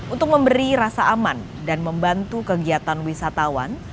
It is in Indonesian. untuk memberi rasa aman dan membantu kegiatan wisatawan